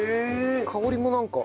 香りもなんか。